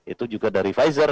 itu juga dari pfizer